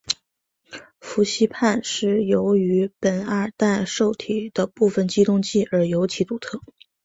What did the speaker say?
氟西泮由于是苯二氮受体的部分激动剂而尤其独特。